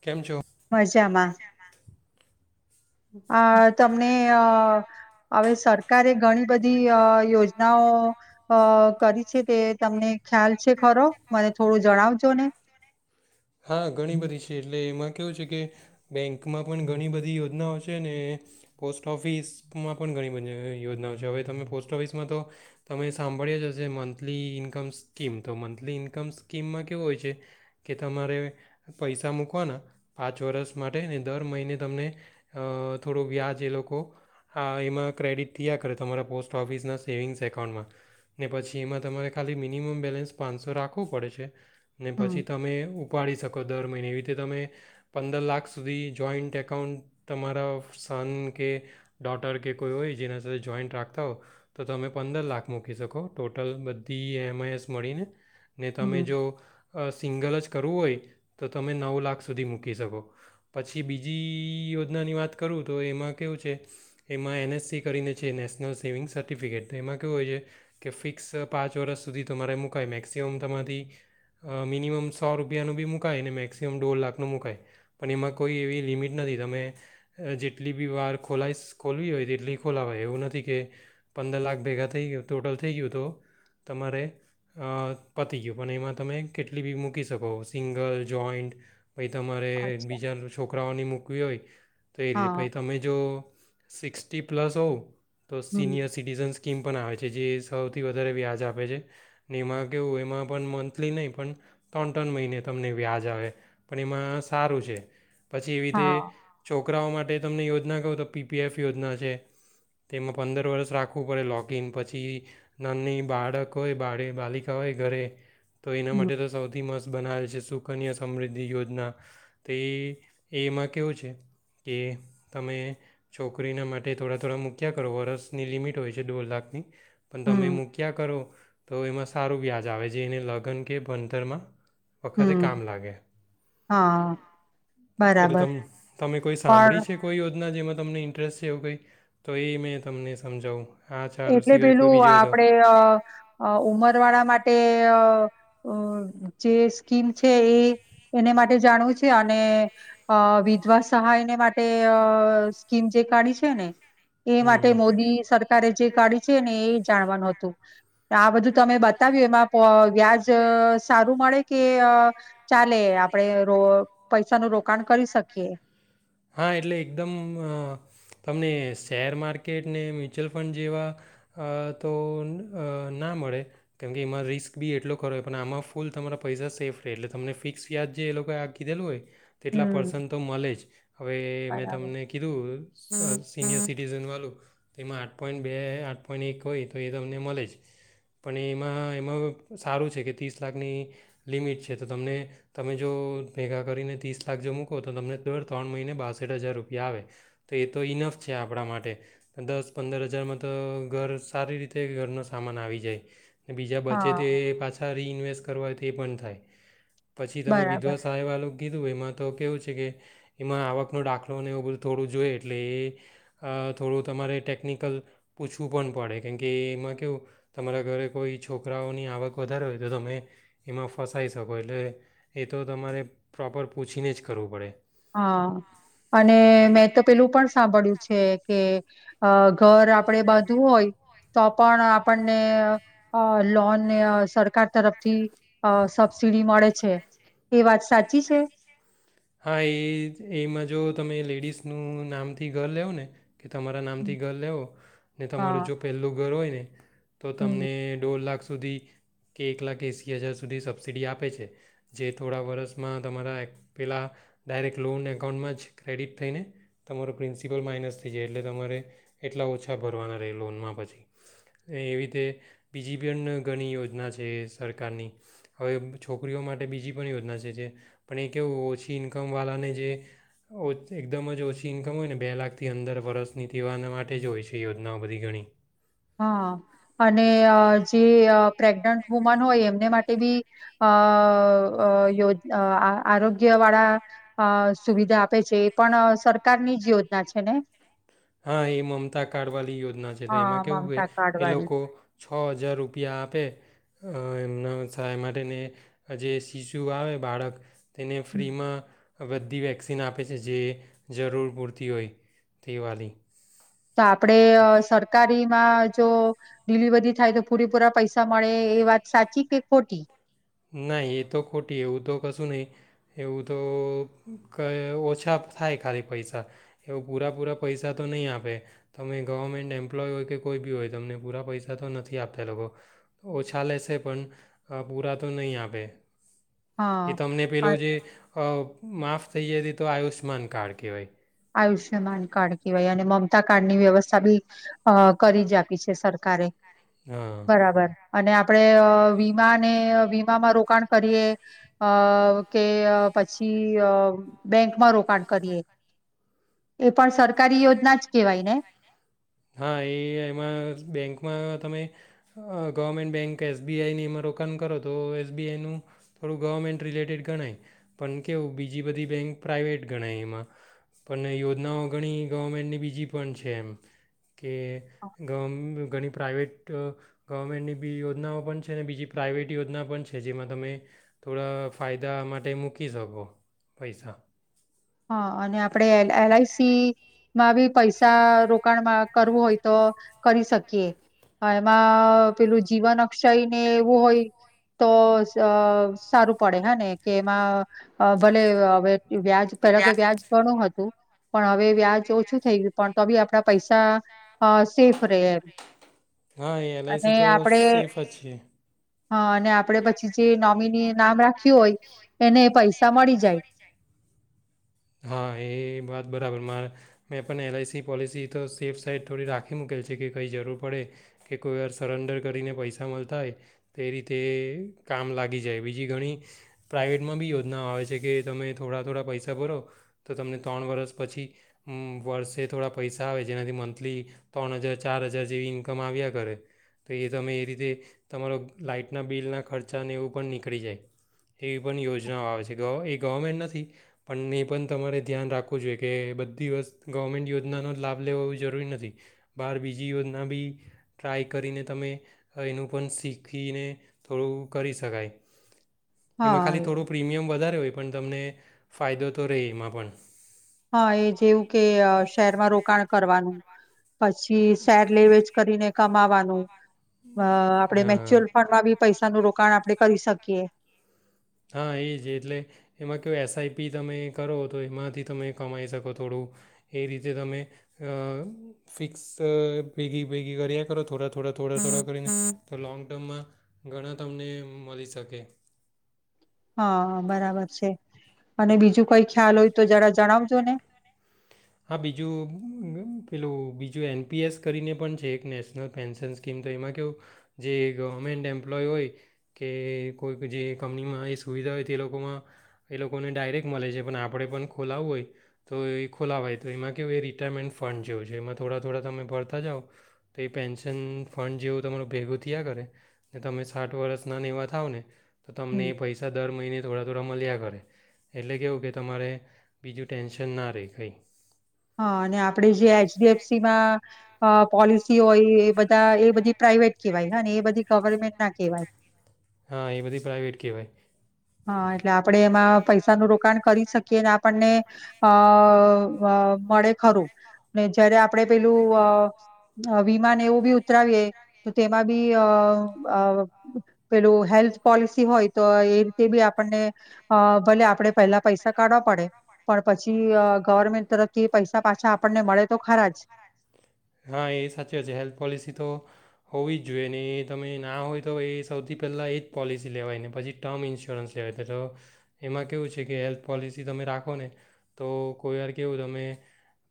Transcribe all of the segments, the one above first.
કેમ છો? મજામાં. અહ તમને અહ હવે સરકારે ઘણી બધી અહ યોજનાઓ ક કરી છે તે તમને ખ્યાલ છે ખરો? મને થોડું જણાવજો ને. હા ઘણી બધી છે એટલે એમાં કેવું છે કે બેંકમાં પણ ઘણી બધી યોજનાઓ છ એય અને પોસ્ટ ઓફિસમાં પણ ઘણી બધી યોજનાઓ છે હવે તમે પોસ્ટ ઓફિસમાં તો તમે સાંભળ્યા જ હશે મંથલી ઇન્કમસ્કીમ તો મંથલી ઇન્કમસ્કીમમાં કેવું હોય છે કે તમારે પૈસા મૂકવાના પાંચ વર્ષ માટે ને દર મહિને તમને અઅ થોડું વ્યાજ એ લોકો આ એમાં ક્રેડિટ થયા કરે તમારા પોસ્ટ ઓફિસના સેવિંગ્સ એકાઉન્ટમાં ને પછી એમાં તમારે ખાલી મિનિમમ બેલેન્સ પાંચસો રાખવું પડે છે. ને હમ પછી તમે ઉ પાડી શકો દર મહિને એવી રીતે તમે પંદર લાખ સુધી જોઈન્ટ એકાઉન્ટ તમારા સન કે ડોટર કે કોઈ હોય જેના સાથે જોઈન્ટ રાખતા હો તો તમે પંદર લાખ મૂકી શકો ટોટલ બધી એમઆઈએસ મળીને ને તમે હમ જો સિંગલ જ કરવું હોય નાની વાત કરું તો એમાં કેવું છે એમાં એને જેટલી ભી વાર ખોલાઈશ ખોલવી હોય તેટલી ખોલાવાય એવું નથી કે પંદર લાખ ભેગા થઈ ગયું ટોટલ થઈ ગયું તો તમારે અઅ પતી ગયું પણ એમાં તમે કેટલી ભી મૂકી શકો સિંગલ, જોઈન્ટ પાછી તમારે અચ્છા બીજા છોકરાઓની મૂક કોઈ હોય તો એ રહે હા પાઈ તમે જો સિક તો હમ સીનયર સિટીઝનસ કીમ પણ આ પછી એવી તે હા છોકરાઓ માટે તમને યોજના કહું તો પીપીએફ યોજના છે. તેમાં પંદર વર્ષ રાખવું પડે લોગીન પછી નાની બાળક હોય બાળ-બાલિકા હોય ઘરે તો એના હમ માટે તો સૌથી મસ્ત બનાવે છે સુકન્યા સમૃદ્ધિ યોજના તે એ એમાં કેવું છે. કે તમે છોકરીના માટે થોડા થોડા મૂક્યા કરો વર્ષની લિમિટ હોય છે દોઢ લાખની. પણ તમે હમ મૂક્યા કરો. તો એમાં સારું વ્યાજ આવે જે એને લગ્ન કે ભણતરમાં. વખતે હમ્મ કામ લાગે હા એટલે બરાબર. તમ તમે કોઈ પણ સાંભળી છે કોઈ યોજના જેમાં તમને ઇન્ટરેસ્ટ અવું કઈક તો એ મેં તમને સમજાવું. આ ચાર એટલે સિવાય કોઈ પેલું બીજી હોય તો આપડે ઉમરવાળા માટે અ જે સ્કીમ છે એ એને માટે જાણવું છે અને અ વિધવા સહાયને માટે સ્કીમ જે કાઢી છે ને. એ માટે હમ મોદી સરકારે જે કાઢી છે ને એ જાણવાનું હતું, આ બધું તમે બતાવ્યું એમાં પ વ્યાજ સારું મળે કે અ ચાલે આપણે રો પૈસાનું રોકાણ કરી શકીએ. હા એટલે એકદમ તમને શેર માર્કેટ ને મ્યુચ્યુઅલ ફંડ જેવા અ તો અ ના મળે કેમકે એમાં રિસ્ક બી એટલો ખરો હોય પણ આમાં ફૂલ તમારા પૈસા સેફ રહે એટલે તમને ફિક્સ વ્યાજ જે એ લોકોએ આ કીધેલું હોય. તેટલા હમ્મ, પર્સન તો મલે જ. હવે મેં બરાબર. તમને કીધું. સિનિયર સિટીઝન વાળું એમાં આઠ પોઈન્ટ બે આઠ પોઈન્ટ એક હોય તો એ તમને મળે જ, પણ એમાં એમાં સારું છે કે ત્રીસ લાખની લિમિટ છે તો તમને તમે જો ભેગા કરીને ત્રીસ લાખ જો મૂકો તો તમને દર ત્રણ મહિને બાસઠ હજાર રૂપિયા આવે તો એ તો ઇનફ છે આપણા માટે દસ પંદર હજારમાં તો ઘર સારી રીતે ઘરનો સામાન આવી જાય. બીજા બચે તે હા, પાછા રીઇન્વેસ્ટ કરવાથી એ પન થાય. પછી તમે બરાબર. વિધવા સહાય વાલો કીધું એમાં તો કેવું છે કે એમાં આવકનો ડાખલોને એવું બધું થોડું જોએ એટલે એ અ થોડું તમારે ટેકનિકલ પૂછવું પણ પડે, કેમકે એમાં કેવું તમારા ઘરે કોઈ છોકરાઓની આવક વધારે હોય, તો તમે એમાં ફસાઈ શકો, એટલે એ તો તમારે પ્રોપર પૂછીને જ કરવું પડે. હાં અને મેં તો પેલું પણ સાંભળ્યું છે. કે અ ઘર આપડે બાંધું હોય, તો પણ આપણને અ લોનને સરકાર તરફથી અ સબસીડી મળે છે, એ વાત સાચી છે? હા એ જ, એમાં જો તમે લેડીસનું નામથી ઘર લેવ ને ક તમારા હમ. નામથી ઘર લેવો ને હા તમારું જો પેલ્લુ ઘર હોયને તો હમ તમને દોઢ લાખ સુધી કે એક લાખ એંસી હજાર સુધી સબસિડી આપે છે, જે થોડા વરસમાં તમારા એક પેલાં ડાયરેક્ટ લોન એકાઉન્ટમાં જ ક્રેડિટ થઈને તમારો પ્રિન્સિપલ માઇનસ થઈ જાય, એટલે તમારે એટલા ઓછા ભરવાના રેય લોનમાં પછી, એવી તે બીજી પન ઘણી યોજના છે સરકારની, હવે છોકરીઓ માટે બીજી પણ યોજના છે જે પણ એક કેવું ઓછી ઈન્કમ વાલાને જે એકદમ જ ઓછી ઈન્કમ હોય ને બે લાખ થી અંદર વરસની તેવાના માટે જ હોય છે એ યોજનાઓ બધી ઘણી. હા અને અ જે અ પ્રેગ્નન્ટ વુમન હોય એમને માટે બી અ અ યો આરોગ્ય વાળા અ સુવિધા આપે છે, એ પણ સરકારની જ યોજના છે ને! હા એ મમતા કાર્ડ વાલી યોજ્ ના છે, તો એમાં હા કેવું કે મમતા કાર્ડ એ વાળી. લોકો છ અજાર રૂપિયા આપે અ એમના સહાય માટે ને જે શિશુ આવે બાળક એને ફ્રીમાં બધી વેક્સિન આપે છે જે જરૂર પૂરતી હોય તે વાલી. તો આપડે સરકારી. મા જો ડીલીવરી થાય તો પૂરે પૂરા પૈસા મળે એ વાત સાચી કે ખોટી. નાઈ એ તો ખોટી એવું તો કશું નહી, એવું તો કઈ ઓછા થાય ખાલી પૈસા એવું પૂરા પૂરા પૈસા તો નહીં આપે તમે ગવર્મેન્ટ એમ્પ્લોય હોય કે કોઈ બી હોય તમને પૂરા પૈસા તો નથી આપતા લોકો ઓછા લેશે પણ પૂરા તો નહીં આપે. હા એ તમને આ પેલું જે અ માફ થઈ જતી તો આયુષ્યમાન કાર્ડ કહેવાય. આયુષ્યમાન કાર્ડ કવાય અને મમતા કાર્ડ ની વ્યવસ્થા બી અ કરી જ આપી છે સરકારે. હા બરાબર. અને અ આપણેે વીમાને વીમામાં રોકાણ કરીએ અ કે પછી બેંકમાં રોકાણ કરીએ. એ પણ સર હા એ એમાં બેંકમાં તમે. ગવર્મેન્ટ બેંક એસ બી આઈની એમાં રોકાણ કરો તો એસ બી આઈનું થોડું ગવર્મેન્ટ રિલેટેડ ગણાય, પણ કેવું બીજી બધી બેંક પ્રાઇવેટ ગણાય એમાં પણ યોજનાઓ ઘણી ગવર્મેન્ટની બીજી પણ છે એમ કે ગ ઘણી પ્રાઇવેટ ગવર્મેન્ટની બી યોજનાઓ પણ છે અને બીજી પ્રાઇવેટ યોજના પણ છે, જેમાં તમે થોડા ફાયદા માટે મૂકી શકો પૈસા. હા અને આપડે એ એલ આઈ સીમાં બી પૈસા રોકાણમાં કરવું હોય તો કરી શકીએ, એમાં પેલું જીવન અક્ષય ને એવું હોય તો પેલા તો વ્યાજ ઘણું હતું. પણ હવે વ્યાજ ઓછું થઈ ગયું પણ તો બી આપડા પૈસા અ સેફ રે એમ હા એ એલ આઈ અને સી તો આપણે સેફ જ છે. હ, અને આપડે પછી, જે નોમીની નામ રાખ્યું હોય. એને પૈસા મળી જાય. હ, એ વાત બરાબર. મા મેં પણ એલ આઈ સી પોલિસી તો સેફ સાઈટ થોડી રાખી મૂકેલ છે. કે કંઈ જરૂર પડે કે કોઈ વાર સરેન્ડર કરીને પૈસા મલતા અય તે રીતે કામ લાગી જાય. બીજી ઘણી પ્રાઇવેટમાં બી યોજનાઓ આવે છે. કે તમે થોડા થોડા પૈસા ભરો. તો તમને ત્રણ વર્ષ પછી, વર્ષે થોડા પૈસા આવે, જેનાથી મંથલી ત્રણ હજાર, ચાર હજાર જેવી ઈન્કમ આવયા કરે. તો એ તમે એ રીતે તમારો લાઈટના બિલના ખર્ચાને એવું પણ નીકળી જાય, એવી પણ યોજનાઓ આવે છે. એ ગવ ગવર્મેન્ટ નથી, પણ એ પણ તમારે ધ્યાન રાખવું જોઈએ, કે બધી વસ ગવર્મેન્ટ યોજનાનો જ લાભ લેવો જરૂરી નથી, બહાર બીજી યોજના ટ્રાય કરીને તમે એનું પણ શીખીને થોડું કરી શકાય. એમાં હા ખાલી એ થોડુ પ્રીમિયમ વધારે હોય. પન તમને ફાયદો તો રેય એમાં પન હ, એ જેવું કે અ શહેરમાં રોકાણ કરવાનું. પછી, શેર લે વેચ કરીને કમાવાનું, અ આપણેે હા મેચ્યુઅલ ફંડ માં બી પૈસાનું રોકાણ આપણે કરી શક. કે, હ, એ જ એટલે એમાં કઈ એસ આઈ પી તમે કરો તો એમાંથી તમે કમાઈ શકો થોડું એ રીતે. તમે અ ફિક્સ ભેગા ભેગા કર્યા કરો, થોડા થોડા થોડા થોડા કરીને, તો લોન્ગ ટર્મમાં ઘણા તમને મળી શકે. હ, બરાબર છે. અને બીજું કઈ ખ્યાલ હોય તો જરા જણાવજો ને. હ, બીજું પેલું બીજું એન પી એસ કરીને પણ છે. એક નેશનલ પેન્શન સ્કીમ. તો એમાં કહું, જે ગવર્મેન્ટ એમ્પ્લોય હોય, કે કોઈ જે કંપનીમાં એ સુવિધા હોય, તો એ લોકોમાં એ લોકોને ડાયરેક્ટ મળે છે. પણ, આપણે પણ ખોલાવવું હોય તો એ ખોલાવાય, તો એમાં કહું, એ રિટાયરમેન્ટ ફંડ જેવું છે. એમાં થોડા થોડા તમે ભરતા જાઓ, તો એ પેન્શન ફંડ જેવું તમારું ભેગું થીયા કરે, ને તમે સાઠ વર્ષના ને એવા થાવ ને તો, તમને હમ એ પૈસા દર મહિને થોડા થોડા માલ્યા કરે. એટલે કેવું કે તમારે બીજું ટેન્શન ના રેય. કંઈક હ, અને આપડે જે એચ ડી એફ સી માં અ પોલિસી હોય, એ બધા એ બધી પ્રાાઈવેટ કહેવાય. હ એ બધી ગવર્મેન્ટ ના કહેવાય. હ, એ બધી પ્રાઇવેટ કેવાય. હા એટલે, આપણે એમાં પૈસાનું રોકાણ કરી શકીએ. ને આપણને અ મળે ખરું. જ્યારે આપણે પેલું વિમાને એવું પણ ઉતરાવીએ, તો તેમાં પણ અ પેલું હેલ્થ પોલિસી હોય તો એ તે પણ આપણને અ ભલે આપણે પેલા પૈસા કાઢવા પડે, પણ પછી અ ગવર્મેન્ટ તરફથી પૈસા પાછા આપણને મળે તો ખરા જ. હ, એ સાચી વાત છે. હેલ્થ પોલિસી તો હોવી જ જોઈએ. ને એ તમે ના હોય તો, એ સૌથી પહેલાં એ જ પોલિસી લેવાય ને પછી, ટમ ઈન્સ્યોરન્સ લેવાય. તો એમાં કેવું છે, કે હેલ્થ પોલિસી તમે રાખો ને, તો કોઈ વાર કેવું, તમે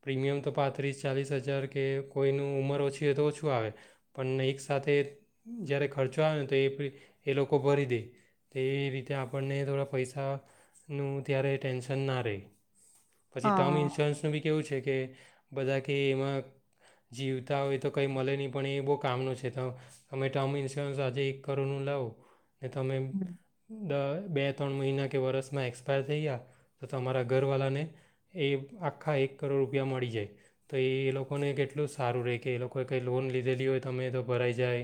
પ્રીમિયમ તો પાંત્રીસ ચાલીસ હજાર કે કોઈની ઉંમર ઓછી હોય, તો ઓછું આવે. પણ, એક સાથે જ્યારે ખર્ચો આવે ને, તો એ એ લોકો ભરી દે. તે રીતે આપણને થોડા પૈસાનું ત્યારે ટેન્શન ના રેય. પછી, ટમ હા ઇન્સ્યોરન્સનું બી કેવું છે, કે કે બધા કે એમાં જીવતા હોય તો કંઈ મલે નહીં. પણ, એ બહુ કામનું છે. ત અમે ટમ ઈન્સ્યોરન્સ આજે એક કરોડનું લવ ને તમે એમ દ બે ત્રણ મહિના, કે વરસમાં એક્સપાયર થઈ ગયા, તો તમારા ઘરવાલાને એ આખા એક કરોડ રૂપિયા મળી જાય. તો એ એ લોક કોને કેટલું સારું રેય, કે એ લોકોએ કંઈ લોન લીધેલી હોય, તો એ ભરાઈ જાય.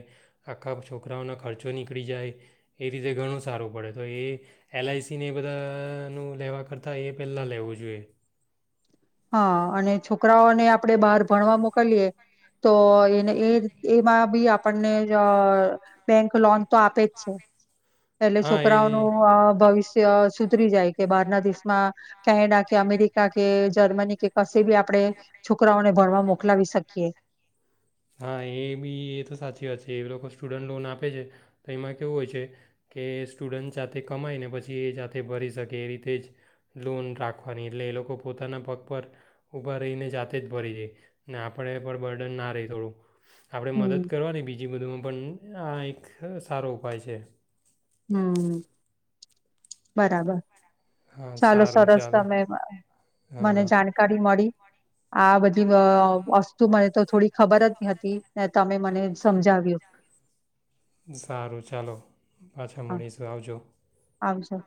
આખા, છોકરાઓનો ખર્ચો નીકળી જાય, એ રીતે ઘણું સારું પડે. તો એ એલ આઈ સી ને એ બધાનું લેવા કરતાં એ પહેલાં લેવું જોઈએ. હ, અને છોકરાઓને આપણે બહાર ભણવા મોકલીએ, તો એને એ એમાં બી આપણને બેંક લોન તો આપે જ છે. એટલે હા એ છોકરાઓનું અ ભવિષ્ય ત્ય સુધરી જાય કે, બારના દેશમાં કેનેડા કે, અમેરિકા કે, જર્મની કે, કશે બી આપણે છોકરાઓને ભણવા મોકલાવી શકીએ. હ, એ બી એ તો સાચી વાત છે. ‌એ લોકો સ્ટુડન્ટ લોન આપે છે. તો એમાં કેવું હોય છે, કે સ્ટુડન્ટ જાતે કમાય ને પછી, એ જાતે ભરી શકે. એ રીતે જ લોન રાખવાની એટલે એ લોકો પોતાના પગ પર ઊભા રહીને જાતે જ ભરી જાય. ને આપણે એ પર બર્ડન ના રે. થોડું આપણે મદદ હમ, કરવાની બી જી બધુ પણ આ એક સારો ઉપાય છે. હમ બરાબર. હા ચાલો સારું સરસ, ચાલો તમે મને હા જાણકારી મળી. આ બધી વ અ વસ્તુ મને તો થોડી ખબર જ નતી ને તમે મને સમજાવ્યું. સારું ચાલો. પાછા હા, મળીશું આવજો. આવજો.